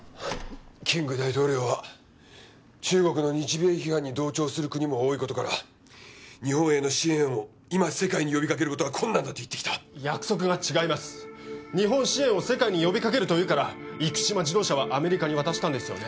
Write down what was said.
キング大統領は中国の日米批判に同調する国も多いことから日本への支援を今世界に呼びかけることは困難だと言ってきた約束が違います日本支援を世界に呼びかけるというから生島自動車はアメリカに渡したんですよね？